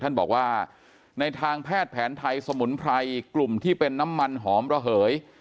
ท่านบอกว่าในทางแพทย์แผนไทยสมุนไพรกลุ่มที่เป็นน้ำมันหอมระเหย